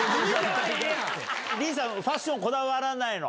凛さん、ファッション、こだわらないの？